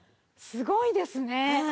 すごいですね！